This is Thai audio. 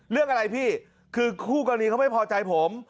เรื่องอะไรพี่คือคู่กรณีเขาไม่พอใจผม